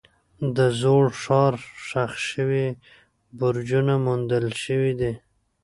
د زوړ ښار ښخ شوي برجونه موندل شوي دي.